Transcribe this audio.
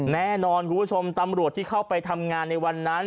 แน่นอนคุณผู้ชมตำรวจที่เข้าไปทำงานในวันนั้น